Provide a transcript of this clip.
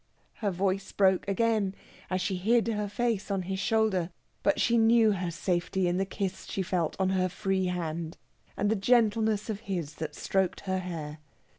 Her voice broke again, as she hid her face on his shoulder; but she knew her safety in the kiss she felt on her free hand, and the gentleness of his that stroked her hair.